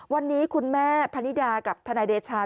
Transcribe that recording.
วันนี้คุณแม่พนิดากับทนายเดชา